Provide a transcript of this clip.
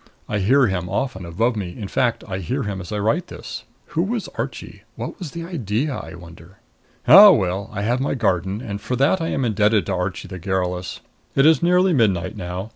I hear him often above me; in fact, I hear him as I write this. Who was Archie? What was the idea? I wonder. Ah, well, I have my garden, and for that I am indebted to Archie the garrulous. It is nearly midnight now.